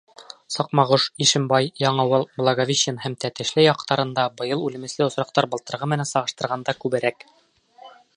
Саҡмағош, Ишембай, Яңауыл, Благовещен һәм Тәтешле яҡтарында быйыл үлемесле осраҡтар былтырғы менән сағыштырғанда күберәк.